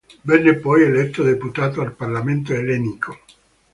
Venne poi eletto deputato al Parlamento Ellenico.